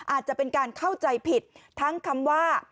อาจจะเป็นการเข้าใจผิดทั้งคำว่า